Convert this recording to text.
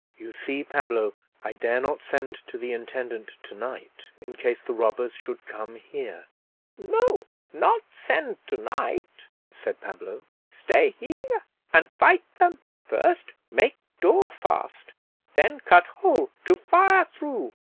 "You see, Pablo, I dare not send to the intendant to night, in case the robbers should come here." "No, not send to night," said Pablo; "stay here and fight them; first make door fast, then cut hole to fire through."